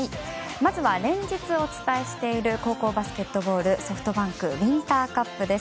まずは連日お伝えしている高校バスケットボールＳｏｆｔＢａｎｋウインターカップです。